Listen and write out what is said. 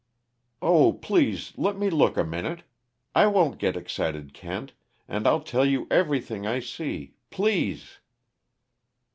"Oh, please let me look a minute! I won't get excited, Kent, and I'll tell you everything I see _please!